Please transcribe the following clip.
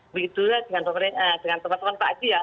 begitulah dengan teman teman pak aji ya